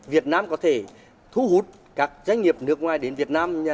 việt nam có thể thu hút các doanh nghiệp nước ngoài đến việt nam